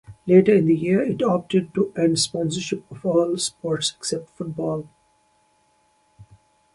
Later in the year, it opted to end sponsorship of all sports except football.